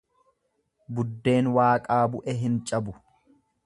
Buddeen Waaqaa bu'e hin cabu.